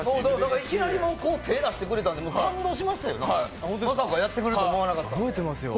いきなり手を出してくれたんで感動しました、まさかやってくれると思わなかった。